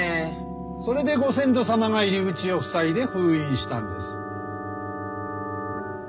それでご先祖様が入り口を塞いで封印したんです。